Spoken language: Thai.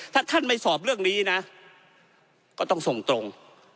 ถ้าท่านไม่สอบเรื่องนี้นะก็ต้องส่งตรง